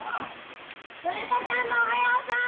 どなたさんもおはようさん！